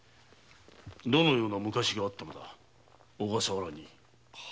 どのような昔があったのだ小笠原に。